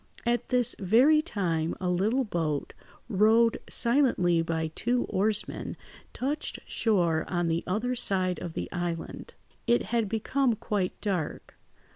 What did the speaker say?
At this very time, a little boat, rowed silently by two oarsmen, touched shore on the other side of the island. It had become quite dark.